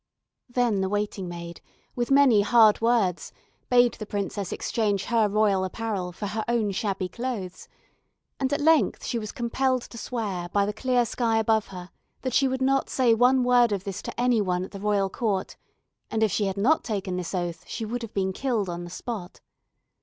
Then the waiting maid, with many hard words, bade the princess exchange her royal apparel for her own shabby clothes; and at length she was compelled to swear by the clear sky above her, that she would not say one word of this to any one at the royal court, and if she had not taken this oath she would have been killed on the spot.